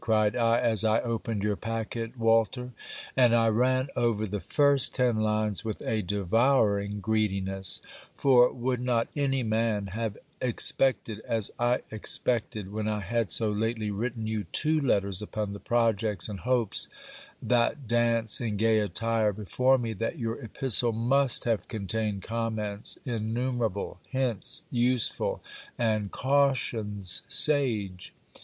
cried I, as I opened your packet, Walter; and I ran over the first ten lines with a devouring greediness: for, would not any man have expected, as I expected when I had so lately written you two letters upon the projects and hopes that dance in gay attire before me, that your epistle must have contained comments innumerable, hints useful, and cautions sage.